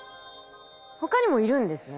他にもいるんですね。